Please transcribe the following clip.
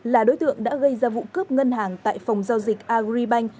là đối tượng đã gây ra vụ cướp ngân hàng tại phòng giao dịch agribank